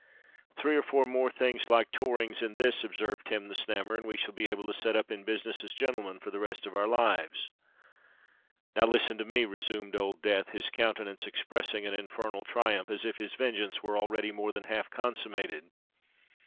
"Three or four more things like Torrings's and this," observed Tim the Snammer, "and we shall be able to set up in business as genelmen for the rest of our lives." "Now listen to me," resumed Old Death, his countenance expressing an infernal triumph, as if his vengeance were already more than half consummated.